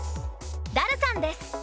ダルさんです。